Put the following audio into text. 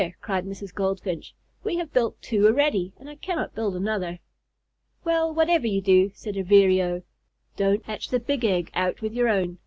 cried Mrs. Goldfinch, "we have built two already, and I cannot build another." "Well, whatever you do," said a Vireo, "don't hatch the big egg out with your own.